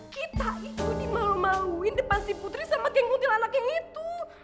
kita itu dimalu maluin depan si putri sama geng geng til anak yang itu